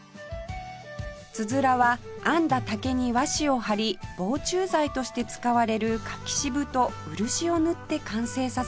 つづらは編んだ竹に和紙を貼り防虫剤として使われる柿渋と漆を塗って完成させます